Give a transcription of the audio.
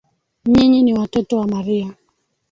Nyinyi ni watoto wa Maria.